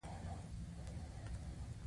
دوی یو بل سره خپلې تجربې او نوښتونه شریکول.